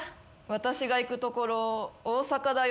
私が行くところ大阪だよ。